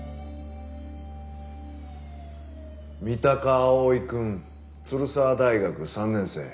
三鷹蒼くん鶴澤大学３年生。